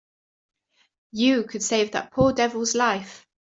You could save that poor devil's life.